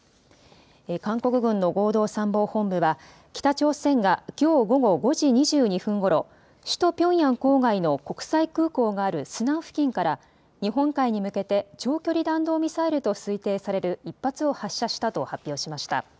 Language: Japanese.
韓国軍の合同参謀本部は北朝鮮がきょう午後５時２２分ごろ首都ピョンヤン郊外の国際空港があるスナン付近から日本海に向けて長距離弾道ミサイルと推定される１発を発射したと発表しました。